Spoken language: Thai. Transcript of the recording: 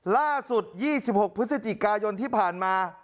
ล่าสุด๒๖พฤศจิกายนที่ผ่านมา